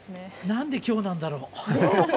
なんできょうなんだろう。